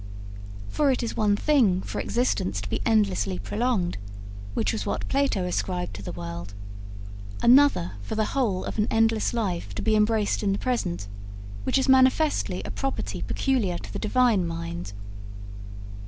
For it is one thing for existence to be endlessly prolonged, which was what Plato ascribed to the world, another for the whole of an endless life to be embraced in the present, which is manifestly a property peculiar to the Divine mind.